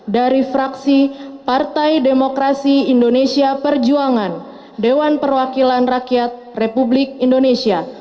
dari fraksi partai demokrasi indonesia perjuangan dewan perwakilan rakyat republik indonesia